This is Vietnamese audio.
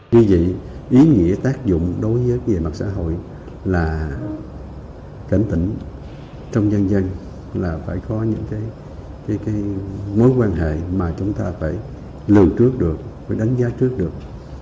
vì vậy ý nghĩa tác dụng đối với mặt xã hội là cảnh tỉnh trong dân dân là phải có những mối quan hệ mà chúng ta phải lưu trước được phải đánh giá trước được